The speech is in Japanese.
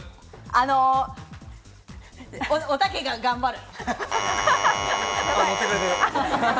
あのおたけが頑張る。